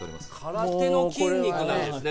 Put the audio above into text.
空手の筋肉なんですね